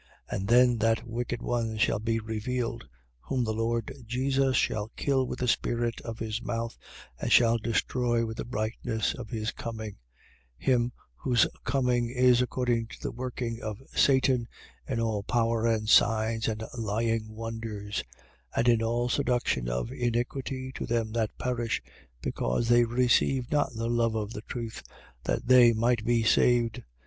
2:8. And then that wicked one shall be revealed: whom the Lord Jesus shall kill with the spirit of his mouth and shall destroy with the brightness of his coming: him 2:9. Whose coming is according to the working of Satan, in all power and signs and lying wonders: 2:10. And in all seduction of iniquity to them that perish: because they receive not the love of the truth, that they might be saved.